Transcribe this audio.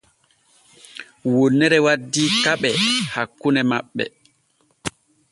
Wonnere waddi keɓe hakkune maɓɓe.